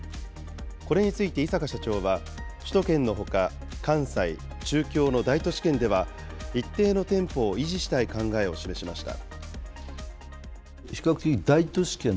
これについて井阪社長は、首都圏のほか関西、中京の大都市圏では、一定の店舗を維持したい考えを示しました。